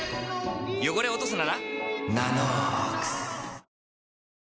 汚れを落とすなら？